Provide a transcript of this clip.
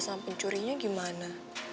sama pencurinya gimana